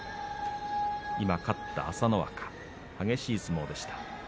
今、勝った朝乃若激しい相撲でした。